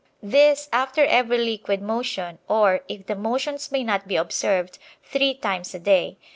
This after every liquid motion, or, if the motions may not be observed, three times a day.